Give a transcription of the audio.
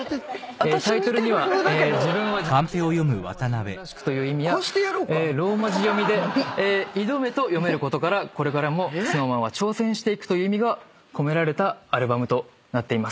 タイトルには「自分は自分」や「自分は自分らしく」という意味やローマ字読みで「挑め」と読めることからこれからもＳｎｏｗＭａｎは挑戦していくという意味が込められたアルバムとなっています。